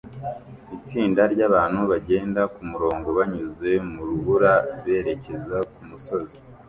Itsinda ryabantu bagenda kumurongo banyuze mu rubura berekeza kumusozi